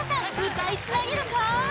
歌いつなげるか？